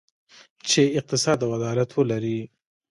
چې اقتصاد او عدالت ولري.